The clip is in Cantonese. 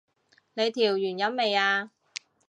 你調完音未啊？